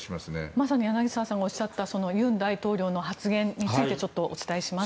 まさに柳澤さんがおっしゃった尹大統領の発言についてお伝えします。